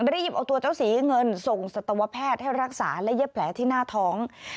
รีบเอาตัวเจ้าสีเงินส่งสัตวแพทย์ให้รักษาและเย็บแผลที่หน้าท้อง